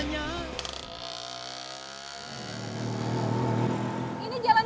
ini ke toko bangunan yang lain